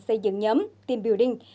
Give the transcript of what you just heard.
xây dựng nhóm team building